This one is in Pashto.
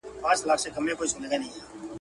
خدايه لويه، ما وساتې بې زويه.